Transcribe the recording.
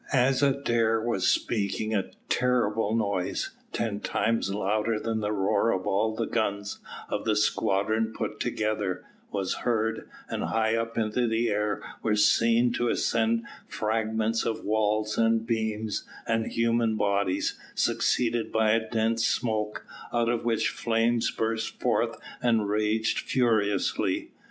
As Adair was speaking a terrific noise, ten times louder than the roar of all the guns of the squadron put together, was heard, and high up into the air were seen to ascend fragments of walls, and beams, and human bodies, succeeded by a dense smoke, out of which flames burst forth and raged furiously.